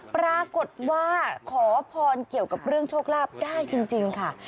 ปรากฏว่าขอพรเกี่ยวกับเรื่องโชคลาภได้จริงค่ะ